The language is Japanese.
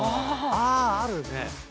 ああるね。